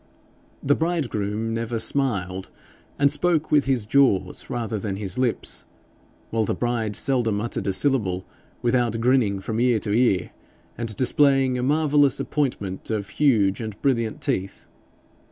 The bridegroom never smiled, and spoke with his jaws rather than his lips; while the bride seldom uttered a syllable without grinning from ear to ear, and displaying a marvellous appointment of huge and brilliant teeth.